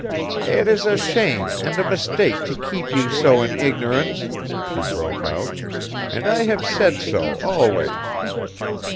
"It is a shame and a mistake to keep you so in ignorance!" she broke out, "and I have said so always.